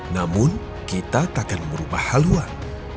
namun kita tak akan merubah haluan